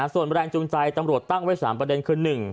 ส่วนแรงจูงใจตำรวจตั้งไว้๓ประเด็นคือ๑